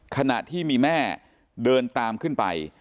ขณะที่มีแม่เดินตามขึ้นไป